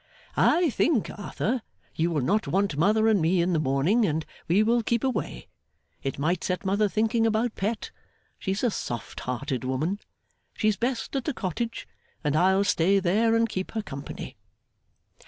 'I think, Arthur, you will not want Mother and me in the morning and we will keep away. It might set Mother thinking about Pet; she's a soft hearted woman. She's best at the Cottage, and I'll stay there and keep her company.